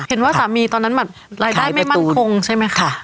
เห็นว่าสามีตอนนั้นแบบรายได้ไม่มั่นคงใช่ไหมคะ